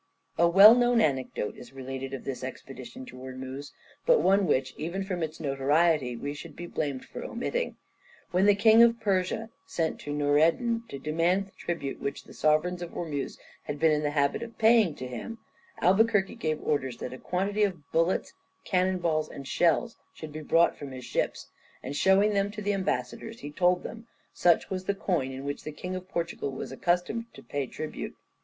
A well known anecdote is related of this expedition to Ormuz, but one which, even from its notoriety, we should be blamed for omitting. When the King of Persia sent to Noureddin to demand the tribute which the sovereigns of Ormuz had been in the habit of paying to him, Albuquerque gave orders that a quantity of bullets, cannon balls and shells, should be brought from his ships, and showing them to the ambassadors he told them that such was the coin in which the King of Portugal was accustomed to pay tribute.